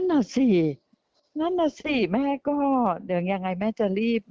นั่นน่ะสิแม่ก็เดี๋ยวอย่างไรแม่จะรีบ